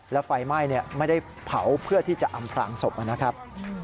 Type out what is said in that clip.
แล้วไฟไหม้ไม่ได้เผาเพื่อที่จะอำพลางศพนะครับ